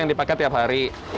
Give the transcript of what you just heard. yang dipakai tiap hari